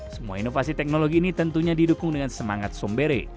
semua inovasi teknologi ini tentunya didukung dengan semangat sombere